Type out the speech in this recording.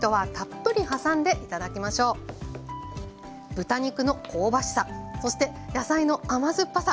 豚肉の香ばしさそして野菜の甘酸っぱさ